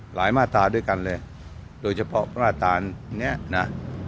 มาตราด้วยกันเลยโดยเฉพาะมาตราเนี้ยนะ